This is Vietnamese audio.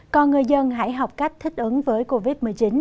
còn người dân hãy học cách thích ứng với covid một mươi chín